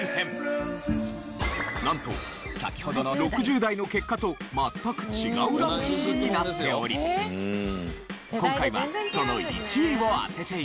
なんと先ほどの６０代の結果と全く違うランキングになっており今回はその１位を当てて頂きます。